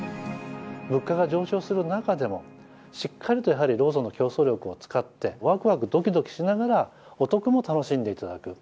物価が上昇する中でもしっかりとローソンの競争力を使ってわくわくどきどきしながらお得も楽しんでいただく。